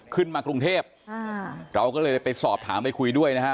กรุงเทพเราก็เลยไปสอบถามไปคุยด้วยนะฮะ